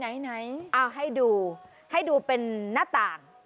ไหนเอาให้ดูให้ดูเป็นหน้าต่าง